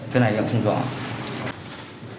cái này em không rõ